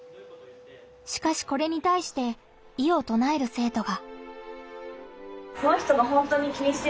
しかしこれにたいして異をとなえる生徒が。